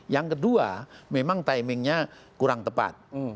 yang kedua memang timingnya kurang tepat